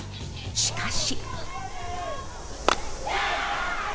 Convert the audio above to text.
しかし。